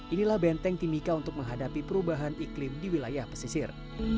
inilah benteng timika untuk menghadapi perubahan iklim di wilayah pesisir